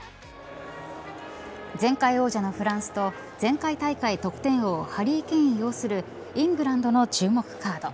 前回王者のフランスと前回大会得点王ハリー・ケインようするイングランドの注目のカード。